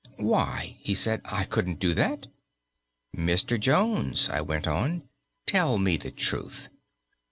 "Why," he said, "I couldn't do that." "Mr. Jones," I went on, "tell me the truth!